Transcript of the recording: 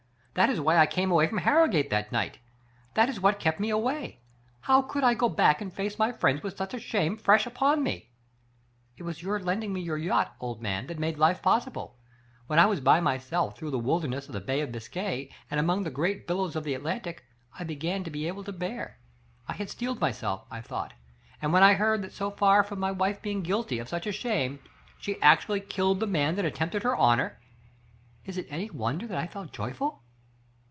That is why I came away from Har rogate that night. That is what kept me away. How could I go back and face my friends with such a shame fresh upon me ? It was your lend ing me your yacht, old man, that made life possi ble. When I was by myself through the wild ness of the Bay of Biscay and among the great billows of the Atlantic I began to be able to bear. I had steeled myself, I thought, and when I heard that so far from my wife being guilty of such a shame, she actually killed the man that attempted her honor, is it any wonder that I felt joyful?"